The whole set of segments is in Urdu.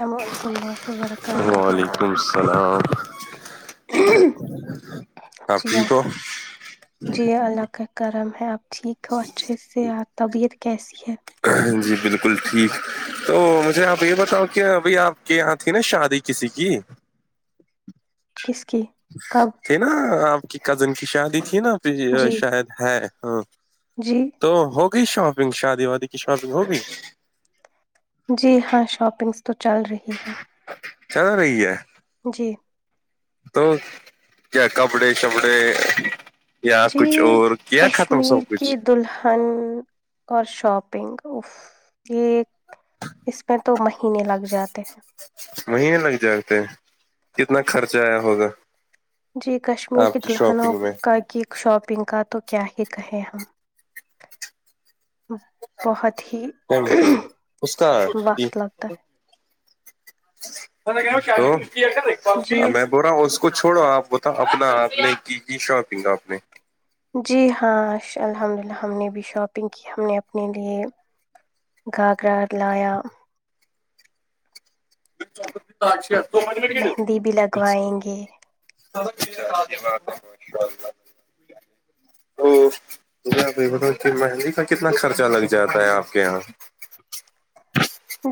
السلام علیکم اللہ و برکاتہ وعلیکم السلام آپ جی ہاں ٹھیک ہو جی اللہ کر گرم ہے آپ ٹھیک ہو اچھے سے طبیعت کیسی ہے جی بالکل ٹھیک تو مجھے آپ یہ بتاؤ کہ ابھی آپ کے یہاں تھی نا شادی کسی کی کس کی کب تھے نا آپ کی کزن کی شادی تھی نا پھر جی شاید ہے ہاں جی تو ہوگئی شاپنگ شادی وادی کی شاپنگ ہوگی جی ہاں شاپنگس تو چل رہی ہے چل رہی ہے جی تو کیا کپڑے شپڑے یا جی کچھ اور کیا ختم سب کشمیر کی کچھ دلہن اور شاپنگ یہ اس میں تو مہینے لگ جاتے ہیں وہہینے لگ جاتے کتنا خرچ آیا ہوگا جی کشمیر آپ کے کی دلہنوں شاپنگ میں کا کی شاپنگ کا تو کیا ہی کہیں ہم بہت ہی اس کا تین وقت لگتا ہے تو ہے جی ب رہا اس کو چھوڑو آپ بتا اپنا آپ نے کی کی شاپنگ آپ نے جی ہاں الحمد للہ ہم نے بھی شاپنگ کی ہم نے اپنے لیے گھاگرا چ تالش ہے تو مے میں مہندی بھی لگوائیں گے [unintelligible] تو بتا کہ مہنگی کا کتنا خرچہ لگ جاتا ہے آپ کے یہاں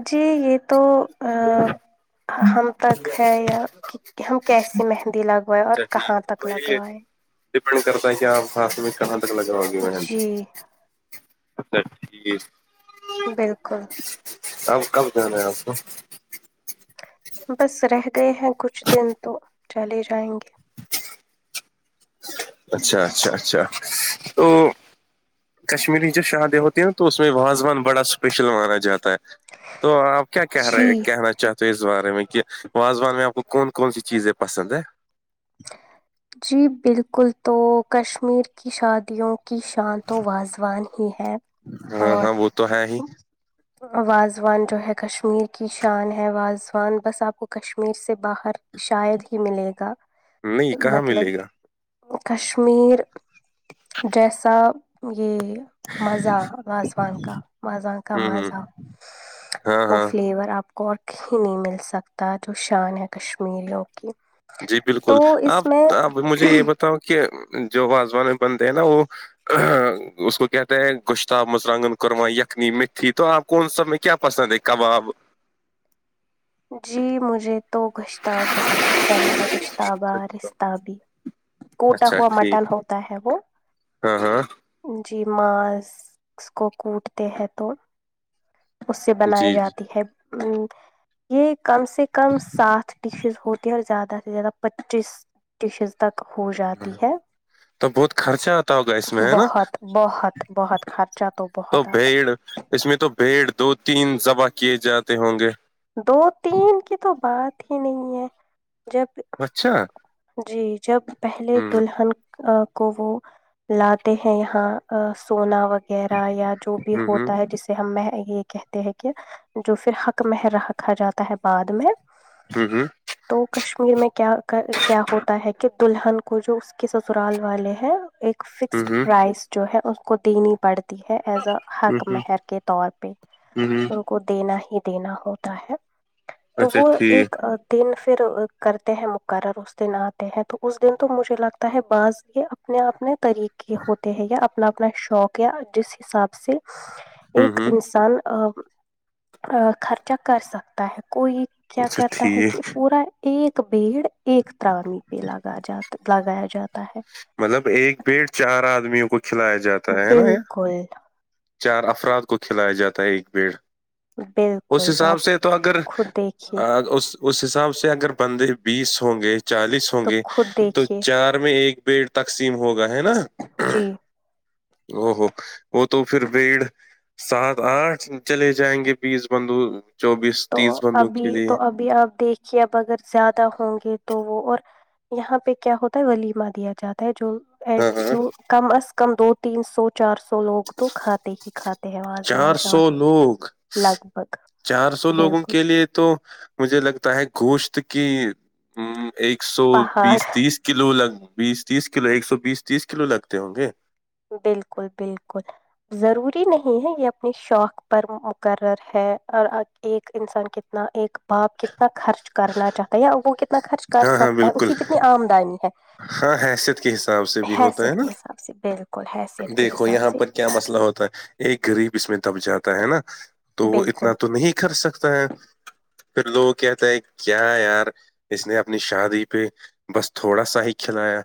جی یہ تو ہم تک ہے یا کہ ہم کیسی مہندی لگوائے اور اچھا ٹھیک کہاں تک تو یہ لگوائے ڈپینڈ کرتا ہے کہ آپ ہاتس میں کہاں در لگاؤ گے مہندی جی اچھا ٹھیک بالکل اب کب جانا ہے آپ کو بس رہ گئے ہیں کچھ دن تو چلے جائیں گے اچھا اچھا اچھا تو کشمیری جو شادیں ہوتی ہیں نا تو اس میں وازوان بڑا اسپیشل مانا جاتا ہے تو آپ کیا کہہ جی رہے کہنا چاہتے اس بارے میں کہ وازوان میں آپ کو کون کون سی چیزیں پسند ہے جی بالکل تو کشمیر کی شادیوں کی شانت و وازوان ہی ہے ہاں اور ہاں وہ تو ہے ہی واازوان جو ہے کشمیر کی شان ہے واازوان بس آپ کو کشمیر سے باہر شاید ہی ملے گا نہیں کہاں مطلب ملے گا کشمیر جیسا یہ مزہ وازوان کا وازوان کا ہوں ہوں مزہ ہاں وہ ہاں فلیور آپ اور ہی نہیں مل سکتا جو شان ہے کشمییروں کی جی بالکل تو اس آپ میں ا مجھے یہ بتاؤ کہ جو واازوان بندے ہیں نا وہ اس کو کہتے ہیں گشتا مترانگن قورما یخنی مھی تو آپ کون سب میں کیا پسند ہے کباب جی مجھے تو گشتا بہت پسند ہے گشتابہ رستتاہ بھیی کوٹا اچھا ہوا مٹن ٹھیک ہوتا ہے وہ ہاں ہاں جی ماس کو کوٹتے ہیں تو اس سے بنائی جی جی جاتی ہے ا یہ کم سے کم سات ڈشز ہوتی ہیں اور زیادہ سے زیادہ پچیس ڈشز تک ہو جاتی ہے تو بہت خرچہ آتا ہوگا اس میں ہے نا بہت بہت بہت خرچہ تو بہت آتا ہے اس میں تو بھیڑ دو تین بح کیے جاتے ہوں گے دو تین کی تو بات ہی نہیں ہے جب اچھا جی جب پہلے ہوں دلہن کو وہ لاتے ہیں یہاں سونا وہ وغیرہ یا جو بھی ہوں ہوتا ہے جسے ہم یہ کہتے ہیں کہ جو پھر حق مح رہکھا جاتا ہے بعد میں ہوں ہوں تو کشمیر میں کیا کیا ہوتا ہے کہ دلہن کو جو اس کے سسرال والے ہیں ایک ہوں فکسڈ ہوں پرائز جو ہے اس کو دینی پڑتی ہے ایز اے ہوں حق ہوں ہوں مہر کے طور پہ ہوں ہوں ان کو دینا ہی دینا ہوتا ہے تو اچھا وہ ٹھیک ایک دن پھر کرتے ہیں مقرر اس دن آتے ہیں تو اس دن تو مجھے لگتا ہے بعض یہ اپنے اپنے طریقے ہوتے ہیں یا اپنا اپنا شوق یا جس حساب سے ہوں ایک ہوں انسان خرچا کر سکتا ہے کوئی کیا اچھا کرتا ہے کہ ٹھیک پورا ایک بیڑ ایک ترانیی پہ لگا جات لگایا جاتا ہے مطلب ایک بیٹ چار آدمیوں کو کھلایا جاتا ہے نا بالکل چار افراد کو کھلایا جاتا ہے ایک بیڑ اس بالکل آپ حساب سے تو اگر خود دیکھیے اس اس حساب سے اگر بندے بیس ہوں گے چالیس ہوں تو گے خود تو دیکھیے چار میں ایک بیڈ تقسیم ہوگا ہے نا جی او ہو وہ تو پھر بیڑ سات آٹھ چلے جائیں گے بیس بندوق تو ابھی تو ابھی آپ دیکھیے اب اگر زیادہ ہوں گے تو وہ اور یہاں پہ کیا ہوتا ہے ولیمہ دیا جاتا ہے جو ای ہاں ہاں کم از کم دو تین سو چار سو لوگ تو کھاتے ہی کھاتے ہیں وازوان چار سو شادی لوگ لگ بھگ چار سو لوگوں بالکل کے لیے تو مجھے لگتا ہے گوشت کی ہ ایک سو پہاڑ بیس تیس کلو لگ بیس تیس کلو ایک سو بیس تیس کلو لگتے ہوں گے بالکل بالکل ضروری نہیں ہے یہ اپنی شوق پر مقرر ہے اور ایک انسان کتنا ایک باپ کتنا خرچ کرنا چاہتا ہے یا وہ کتنا کتنا خرچ کر ہاں ہاں سکتا ہے اس بالکل کی کتنی آمدنی ہے ہاں حیثیت کے حساب سے بھی ہوتا ہے حیثیت نا کے حساب سے بالکل ہے دیکھو یہاں پر کیا مسئلہ ہوتا ہے ایک غریب اس میں دب جاتا ہے نا تو اتنا بالکل تو نہیں کرر سکتا ہے پھر لوگ کہتے ہیں کیا یار اس نے اپنی شادی پہ بس تھوڑا سا ہی کھلایا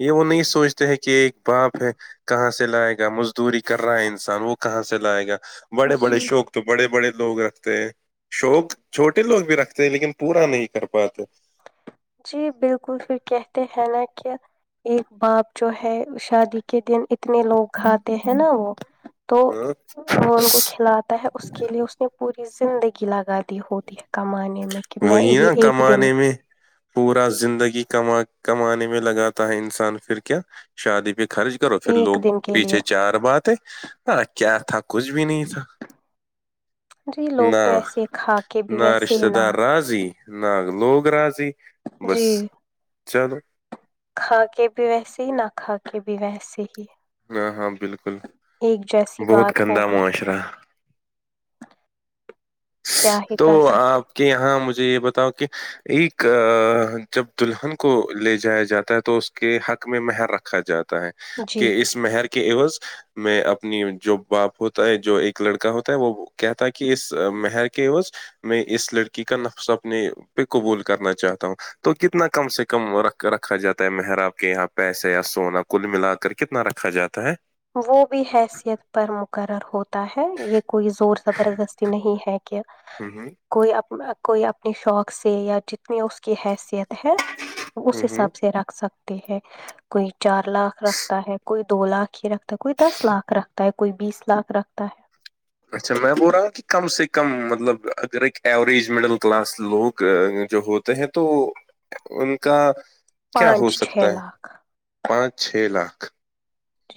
یہ وہ نہیں سوچتے ہیں کہ ایک باپ ہے کہاں سے لائے گا مزدوری کر رہا ہے انسان وہ کہاں سے لائے گا بڑے بڑے جی شوق تو بڑے بڑے لوگ رکھتے ہیں شوق چھوٹے لوگ بھی رکھتے ہیں لیکن پورا نہیں کر پاتے جی بالکل پھر کہتے ہیں نا کہ ایک باپ جو ہے شادی کے دن اتنے لوگ کھاتے ہیں نا وہ تو ہاں وہ ان کو کھلاتا ہے اس کے لیے اس نے پوری زندگی لگا دی ہوتی ہے کمانے میں کہ میں وہی یہ نا ایک دن کمانے میں پورا زندگی کما کمانے میں لگاتا ہے انسان پھر کیا شادی پہ خرچ کرو پھر ایک لوگ دن کے لیے پیچھے چار بات ہے ہاں کیا تھا کچھ بھی نہیں تھا جی لوگ تو نہ ایسے ہی کھا کے بھی نہ ویسے ہی رشتہ نہ دار راضی ناگ لوگ راضی بس جی چلو کھا کے بھی ویسے ہی نہ کھا کے بھی ویسے ہی ہاں ہاں بالکل ایک جیسی بہت بات ہو گندہ گئی معاشرہ کیا ہی تو کر سک آ کہ یہاں مجھے یہ بتاؤ کہ ایک جب دلہن کو لے جایا جاتا ہے تو اس کے حق میں مہر رکھا جاتا ہے جی کہ اس مہر کے ایوض میں اپنی جو باپ ہوتا ہے جو ایک لڑکا ہوتا ہے وہ کہتا ہے کہ اس مہر کے ح میں اس لڑکی کا نفس اپنے پہ قبول کرنا چاہتا ہوں تو کتنا کم سے کمکھ رکھا جاتا ہے محر آاب کے یہاں پیسے یا سونا کل ملا کر کے کتنا رکھا جاتا ہے وہ بھی حیثیت پر مقرر ہوتا ہے یہ کوئی زور زبردستی نہیں ہے کہ ہ ہ کوئی کوئی اپنے شوق سے یا جتنی اس کی حیثیت ہے ہ اس ہ حساب سے رکھ سکتے ہیں کوئی چار لاکھ رکھتا ہے کوئی دو لاکھ ہی رکھ کوئی دس لاکھ رکھتا ہے کوئی بیس لاکھ رکھتا ہے اچھا میں بول رہا ہوں کہ کم سے کم مطلب اگر ایک ایوریج مڈل کلاس لوگ جو ہو ہیں تو ان کا کیا ہو پانچ چھ سکتا ہے لاکھ پانچ چھ لاکھ تٹ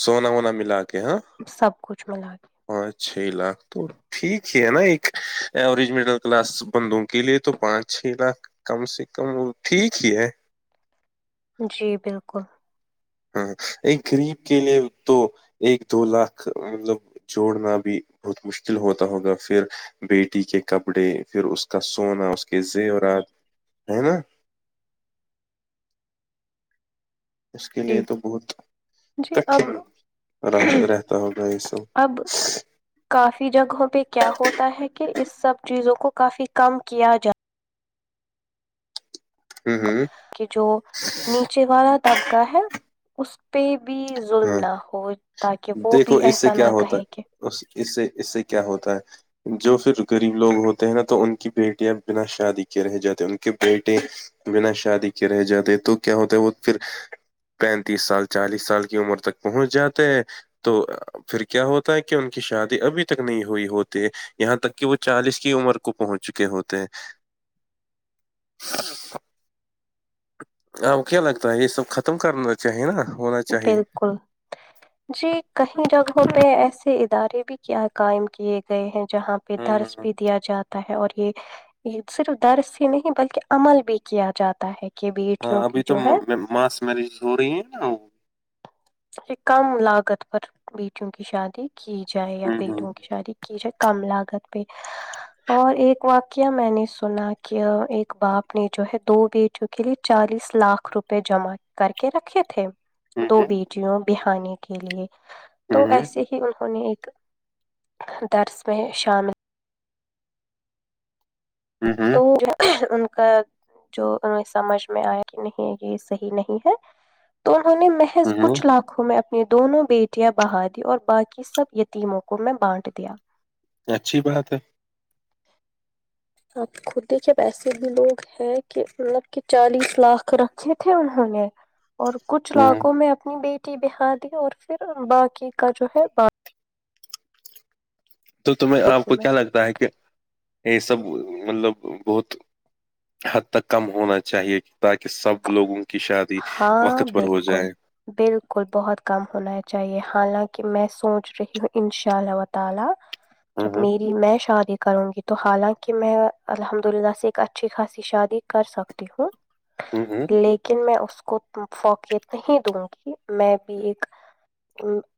سونا وونا ملا کے ہاں سب کچھ ملا پانچ چھ لاکھ تو ٹھیک ہے ہے نا ایک ایوریج مڈل کلاس بندوں کے لیے تو پانچ چھ لاکھ کم سے کم وہ ٹھیک ہی ہے جی بالکل ہاں ایک گغریب کے لیے تو ایک دو لاکھ مطلب جوڑنا بھی بہت مشکل ہوتا ہوگا پھر بیٹی کے کپڑے پھر اس کا سونا اس کے زیورات ہے نا اس کے لیے جی تو بہت جی اب کٹن رہ رہتا ہوگا یہ سب اب کافی جگہوں پہ کیا ہوتا ہے کہ اس سب چیزوں کو کافی کم کیا جات ہوں ہوں کہ جو نیچے والا طبقہ ہے اس پہ بھی ظلم ہاں نہ ہو تاکہ وہ بھی دیکھو سے ایسا کیا نہ ہوتا کہے کہ ہے اس اس سے اس سے کیا ہوتا ہے جو پھر غریب لوگ ہوتے ہیں نا تو ان کی بیٹیاں بنا شادی کے رہ جاتی ہیں ان کے بیٹے بنا شادی کے رہ جاتے تو کیا ہوتا ہے وہ پھر پینتیس سال چالیس سال عمر تک پہنچ جاتے ہیں تو پھر کیا ہوتا ہے کہ ان کی شادی ابھی تک نہیں ہوئی ہوتی یہاں تک کہ وہ چالیس کی عمر کو پہنچ چکے ہوتے ہیں [unintelligible] جی اب کیا لگتا ہے یہ سب ختم کرنا چاہیے نا ہونا چاہیے بالکل جی کہیں جگہوں پہ ایسے ادارے بھی کیا کاائم کیے گئے ہیں جہاں پہ ہوں درس ہوں بھی دیا جاتا ہے اور یہ یہ صرف درس ہی نہیں بلکہ عمل بھی کیا جاتا ہے کہ ہاں بیٹیوں ابھی کی تو جو ہے ماس میرج ہو رہی ہیں نا وہ کم لاگت پر بیٹیوں کی شادی کی جائے یا ہوں بیٹوں کی شادی کی جو کم لاگت پہ اور ایک واقعہ میں نے سنا کہ ایک باپ نے جو ہے دو بیچ کے لیے چالیس لاکھ روپے جمع کر کے رکھے تھے دو ہوں بیٹیوں بہانانی کے لیے تو ہوں ایسے ہی انہوں نے ایک درس میں شامل ہوں ہوں تو ان کا جو انہیں سمجھ میں آیا کہ نہیں یہ صحیح نہیں ہے تو انہوں نے محض ہوں کچھ لاکھ کو میں اپنی دونوں بیٹیاں بہ دی اور باقی سب یتیموں کو میں بانٹ دیا اچھی بات ہے آپ خود دیکھے ویسے بھی لوگ ہے کہ مطلب کہ چالیس لاکھ رکھے تھے انہوں نے اور کچھ ہوں علاقوں میں اپنی بیٹی بہا دی اور پھر باقی کا جو ہے ب تو آپ باقیوں کو میں کیا لگتا ہے کہ یہ سب مطلب بہت حد تک کم ہونا چاہیے تاکہ سب لوگوں کی شادی ہاں وقت پر ہو بالکل جائے بالکل بہت کم ہونا چاہیے حالانکہ میں سوچ رہی ہوں ان شاء اللہ تعالی جب ہوں میری میں شادی کروں گی تو حالانکہ میں الحمد اللہ سے ایک اچھی خاصی شادی کر سکتی ہوں ہوں ہوں لیکن میں اس کو فوقیت نہیں دوں گی میں بھی ایک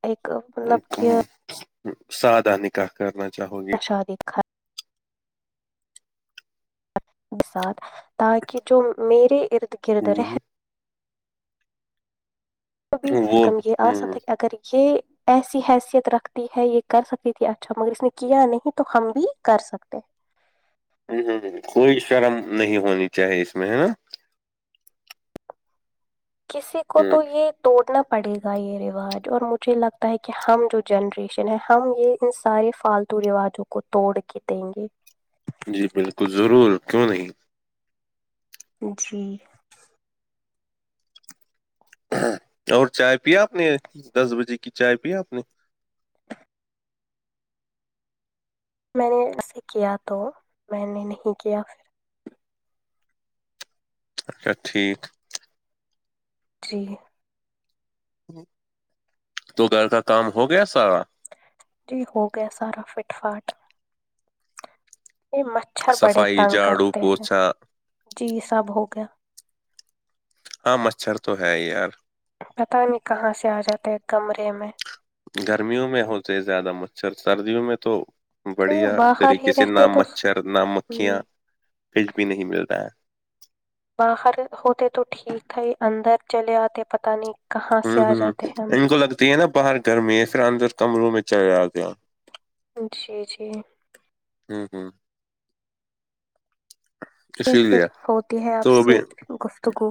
ایک مطلب کہ سادہ نکاح کرنا چاہو گی شارییککھا سات تاکہ جو میرے ارد گرد رہ بھی وہ ہوں کم یہ آ سکتا ہوں ہے کہ اگر یہ ایسی حیثیت رکھتی ہے یہ کر سکتی تھی اچھا مگر اس نے کیا نہیں تو ہم بھی کر سکتے کوئی شرم نہیں ہونی چاہیے اس میں ہے نا کسی کو تو ہوں یہ توڑنا پڑے گا یہ رواج اور مجھے لگتا ہے کہ ہم جو جنریشن ہے ہم یہ ان سارے فالتو رواجوں کو توڑ کے دیں گے جی بالکل ضرور کیوں نہیں جی اور چائے پیا آپ نے دس بجے کی چائے پی آپ نے میں نے اسے کیا تو میں نے نہیں کیا پھر اچا ٹھیک جی تو گھر کا کام ہو گیا سارا جی ہو گیا سارا فٹ فاٹ یہ مچھر بڑے صفائی تنگ جھاڑو کرتے ہیں پوچھا جی سب ہو گیا ہاں مچھر تو ہے ہی یار پتاہ نہیں کہاں سے آ جاتے کمرے میں گرمیوں میں ہوتے زیادہ مچھر سردیوں میں تو چلو بڑھیا باہر ہی طریقے سے نہ رہتے تو مچھر نہ مکھیاں کچ بھی نہیں ملتا ہے باہر ہوتے تو ٹھیک تھا ہی اندر چلے آتے پت نہیں کہاں سے ہوں آ ہوں جاتے ہیں ان اندر کو لگتی ہے نا باہر گرمی ہے پھر اندر کمروں میں چلے آ گ [inaudible] جی جی ہوں ہوں یہ اسی پھر لیے ہوتی ہے اب تو بھی سے گفتگو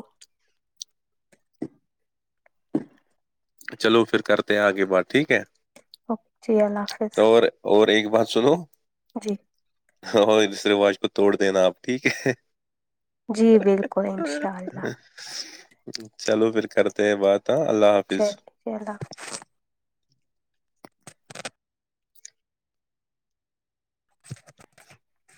چلو پھر کرتے ہیں آگے بات ٹھیک ہے اوک جی اللہ حافظ [inaudible] اور اور ایک بات سنو جی اور اس رواج کو توڑ دینا آپ ٹھیک ہے جی بالکل انشاء اللہ چلو پھر کرتے ہیں بات ہاں اللہ حافظ چلا [inaudible] [inaudible]